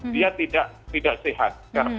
dia tidak sehat